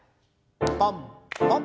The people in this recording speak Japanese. ポンポン。